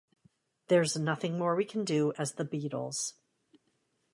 There's nothing more we can do as the Beatles.